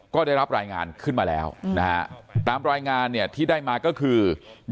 ก็ได้รับรายงานขึ้นมาแล้วนะฮะตามรายงานเนี่ยที่ได้มาก็คือ